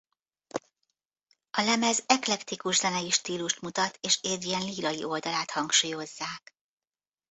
A lemez eklektikus zenei stílust mutat és Adrien lírai oldalát hangsúlyozzák.